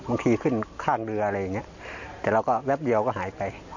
ขึ้นข้างเรืออะไรอย่างเงี้ยแต่เราก็แวบเดียวก็หายไป